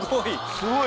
すごい。